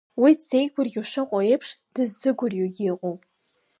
Уи дзеигәырӷьо шыҟоу еиԥш дыззыгәырҩогьы ыҟоуп.